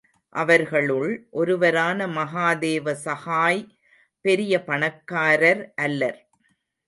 அவர்களுள் ஒருவரான மகாதேவ சகாய் பெரிய பணக்காரர் அல்லர்.